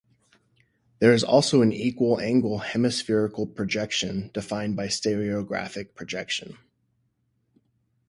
There is also an equal-angle hemispherical projection defined by stereographic projection.